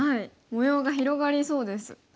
模様が広がりそうです。